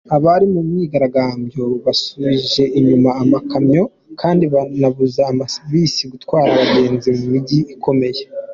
Abari mu myigaragambyo basubije inyuma amakamyo kandi banabuza amabisi gutwara abagenzi mu mijyi ikomeye.